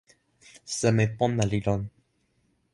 seme pona li lon?